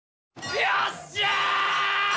よっしゃ！